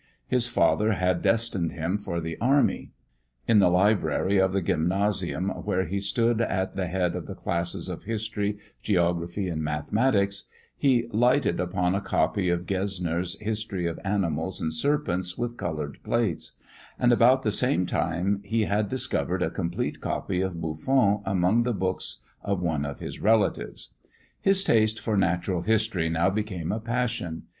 His father had destined him for the army. In the library of the Gymnasium, where he stood at the head of the classes of history, geography, and mathematics, he lighted upon a copy of Gesner's History of Animals and Serpents, with coloured plates; and, about the same time, he had discovered a complete copy of Buffon among the books of one of his relatives. His taste for Natural History now became a passion.